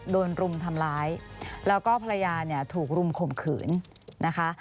รุมทำร้ายแล้วก็ภรรยาเนี่ยถูกรุมข่มขืนนะคะ